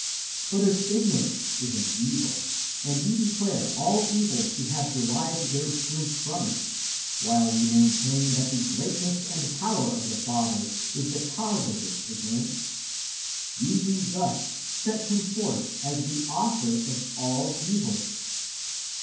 But if ignorance is an evil, and ye declare all evils to have derived their strength from it, while ye maintain that the greatness and power of the Father is the cause of this ignorance, ye do thus set Him forth as the author of [all] evils.